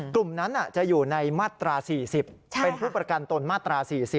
กลุ่มนั้นจะอยู่ในมาตรา๔๐เป็นผู้ประกันตนมาตรา๔๐